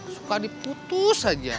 suka diputus aja